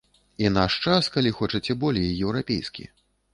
І наш час, калі хочаце, болей еўрапейскі.